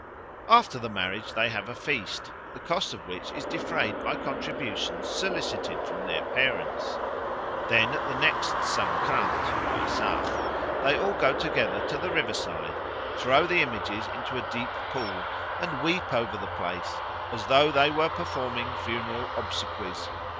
After the marriage they have a feast, the cost of which is defrayed by contributions solicited from their parents. Then at the next Sankrânt (Baisâkh) they all go together to the river side, throw the images into a deep pool, and weep over the place, as though they were performing funeral obsequies.